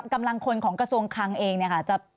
กำลังคนของกระทรวงคลังเองเนี่ยค่ะ